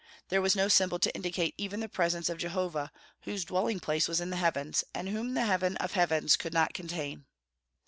There was no symbol to indicate even the presence of Jehovah, whose dwelling place was in the heavens, and whom the heaven of heavens could not contain.